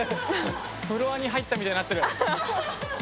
フロアに入ったみたいになってる。